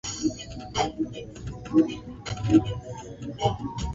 Jaeger ni mlima wa nne kwa urefu mkoani humo